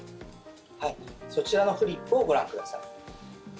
はい、そちらのフリップをご覧ください。